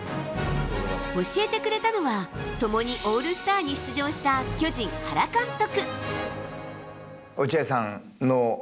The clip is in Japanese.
教えてくれたのは共にオールスターに出場した巨人、原監督。